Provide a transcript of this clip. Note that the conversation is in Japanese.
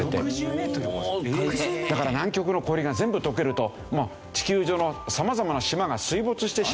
だから南極の氷が全部溶けると地球上の様々な島が水没してしまうわけですよ。